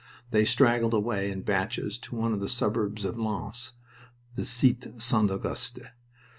They straggled away in batches to one of the suburbs of Lens the Cite St. Auguste.